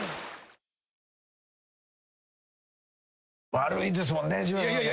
悪いですもんね。